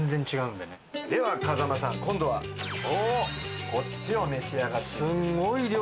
では風間さん今度はこっちを召し上がって。